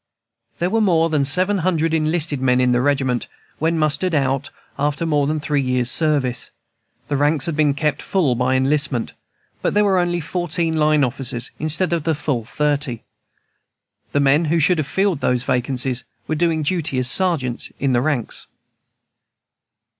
There were more than seven hundred enlisted men in the regiment, when mustered out after more than three years' service. The ranks had been kept full by enlistment, but there were only fourteen line officers instead of the full thirty. The men who should have filled those vacancies were doing duty as sergeants in the ranks.